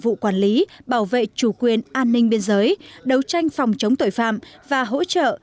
vụ quản lý bảo vệ chủ quyền an ninh biên giới đấu tranh phòng chống tội phạm và hỗ trợ